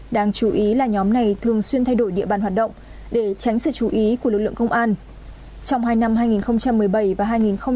đáng chú ý là nhóm này thường xuyên thay đổi địa bàn hoạt động để tránh sự chú ý của lực lượng công an